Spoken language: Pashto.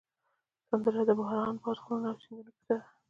سندره د باران، باد، غرونو او سیندونو کیسه ده